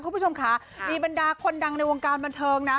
คุณผู้ชมค่ะมีบรรดาคนดังในวงการบันเทิงนะ